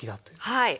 はい。